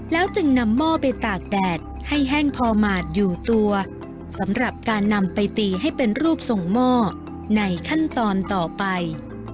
แล้วจึงนำหม้อไปตากแดดให้แห้งพอหมาดอยู่ตัวสำหรับการนำไปตีให้เป็นรูปส่งหม้อในขั้นตอนต่อไป